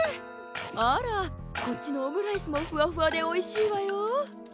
あらこっちのオムライスもふわふわでおいしいわよ。